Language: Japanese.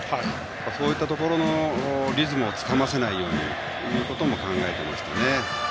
そういったところのリズムをつかませないようにということも考えていましたね。